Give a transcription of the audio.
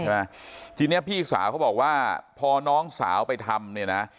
ใช่ไหมจริงพี่สาวเขาบอกว่าพอน้องสาวไปทำเนี่ยนะ